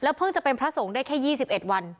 แล้วเพิ่งจะเป็นพระสงสว่างสามัคคีธรรมได้แค่๒๑วัน